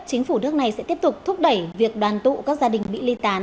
chính phủ nước này sẽ tiếp tục thúc đẩy việc đoàn tụ các gia đình bị ly tán